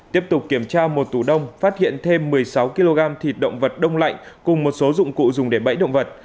tiếp tục kiểm tra một tủ đông phát hiện thêm một mươi sáu kg thịt động vật đông lạnh cùng một số dụng cụ dùng để bẫy động vật